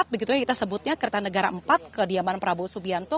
begitu yang kita sebutnya kertanegara empat ke diaman prabowo subianto